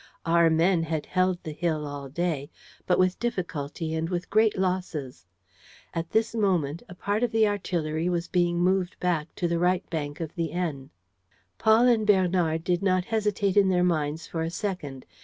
Our men had held the hill all day, but with difficulty and with great losses. At this moment, a part of the artillery was being moved back to the right bank of the Aisne. Paul and Bernard did not hesitate in their minds for a second.